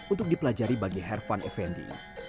untuk dipelajari bagi hervan effendi